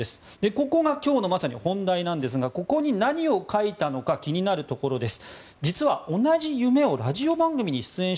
ここが今日の本題なんですがここに何を書いたのか気になるところです。